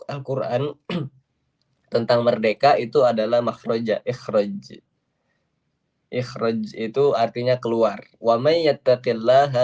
alquran tentang merdeka itu adalah makhroja ikhroji ikhroji itu artinya keluar wa mayatakillaha